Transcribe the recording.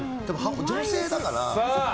女性だから。